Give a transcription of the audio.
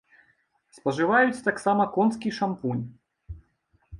Спажываюць таксама конскі шампунь.